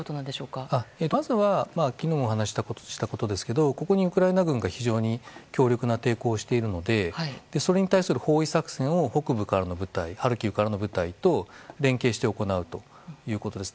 まずは昨日お話したことですけどここにウクライナ軍が非常に強力な抵抗をしているのでそれに対する包囲作戦を北部ハルキウからの部隊と連携して行うということです。